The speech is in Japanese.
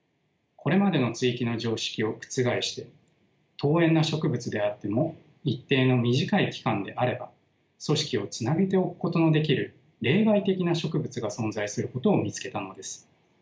これまでの接ぎ木の常識を覆して遠縁な植物であっても一定の短い期間であれば組織をつなげておくことのできる例外的な植物が存在することを見つけたのです。